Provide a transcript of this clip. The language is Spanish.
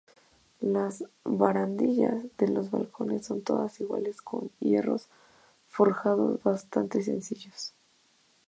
Las barandillas de los balcones son todas iguales, con hierros forjados bastante sencillos.